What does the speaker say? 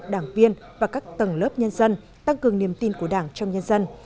đảng viên và các tầng lớp nhân dân tăng cường niềm tin của đảng trong nhân dân